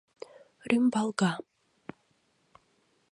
Рӱмбалга.